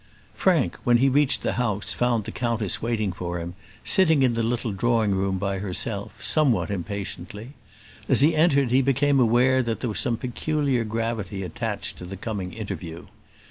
Frank, when he reached the house, found the countess waiting for him, sitting in the little drawing room by herself, somewhat impatiently. As he entered he became aware that there was some peculiar gravity attached to the coming interview.